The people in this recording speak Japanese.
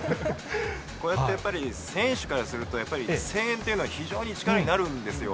これってやっぱり、選手からすると、声援というのは非常に力になるんですよ。